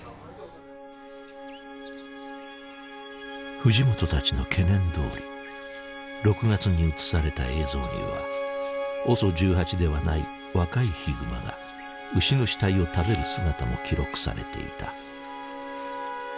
藤本たちの懸念どおり６月に映された映像にはＯＳＯ１８ではない若いヒグマが牛の死体を食べる姿も記録されていた。